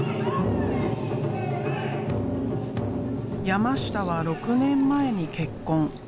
山下は６年前に結婚。